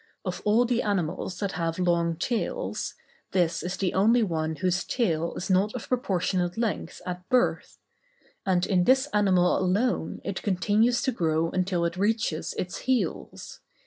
Of all the animals that have long tails, this is the only one whose tail is not of proportionate length at birth; and in this animal alone it continues to grow until it reaches its heels.